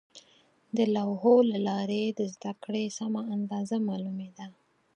د لوحو له لارې د زده کړې سمه اندازه معلومېده.